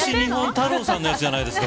太郎のやつじゃないですか。